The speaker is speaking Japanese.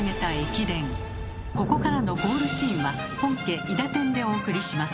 ここからのゴールシーンは本家「いだてん」でお送りします。